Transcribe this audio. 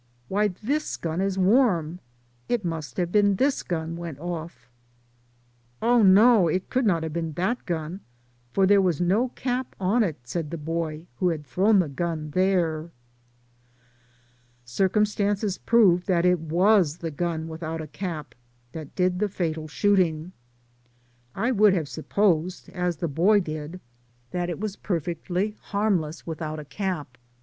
"Why, this gun is warm. It must have been this gun went off." "Oh, no; it could not have been that gun, for there was no cap on it," said the boy who had thrown the gun there. Circumstances proved that it was the gun without a cap that did the fatal shooting. I would have supposed, as the boy did, that it was perfectly harmless without a cap.